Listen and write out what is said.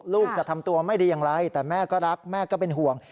ลูกจะทำตัวไม่ดีอย่างไรแต่แม่ก็รักแม่ก็เป็นห่วง